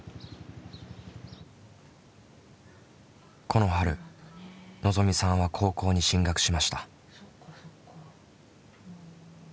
この春のぞみさんは高校に進学しました。